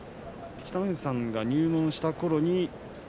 北の富士さんが入門したころに。